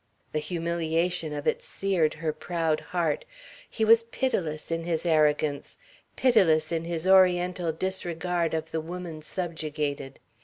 The humiliation of it seared her proud heart. He was pitiless in his arrogance, pitiless in his Oriental disregard of the woman subjugated.